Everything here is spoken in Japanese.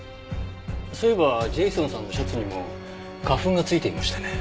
そういえばジェイソンさんのシャツにも花粉が付いていましたね。